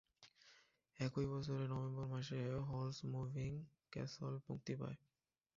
একই বছরের নভেম্বর মাসে হল'স মুভিং ক্যাসল মুক্তি পায়।